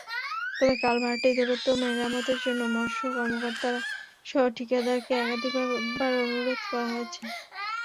তবে কালভার্টটি দ্রুত মেরামতের জন্য মৎস্য কর্মকর্তাসহ ঠিকাদারকে একাধিকবার অনুরোধ করা হয়েছে।